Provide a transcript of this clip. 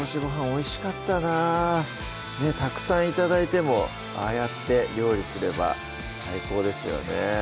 おいしかったなたくさん頂いてもああやって料理すれば最高ですよね